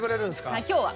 はい今日は。